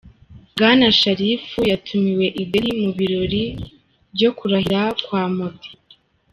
Bwana Sharif yatumiwe i Delhi mu birori bwo kurahira kwa Modi.